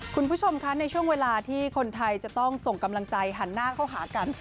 คุณผู้ชมคะในช่วงเวลาที่คนไทยจะต้องส่งกำลังใจหันหน้าเข้าหากัน